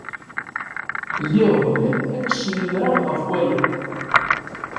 Lliɣ bɣiɣ ad k-snemmreɣ ɣef waya.